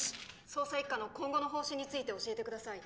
捜査一課の今後の方針について教えてください